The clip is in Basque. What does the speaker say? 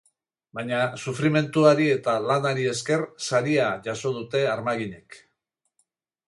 Baina sufrimenduari eta lanari esker, saria jasu dute armaginek.